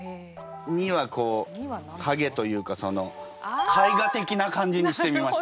「二」はこう影というかその絵画的な感じにしてみました。